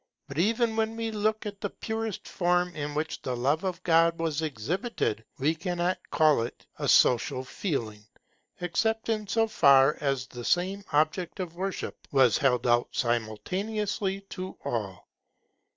But even when we look at the purest form in which the love of God was exhibited, we cannot call it a social feeling, except in so far as the same object of worship was held out simultaneously to all.